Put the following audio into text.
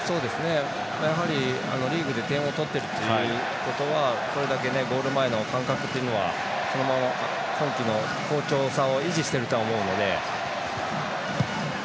やはり、リーグで点を取っているということはゴール前の感覚というのは今季の好調さを維持してるとは思うので。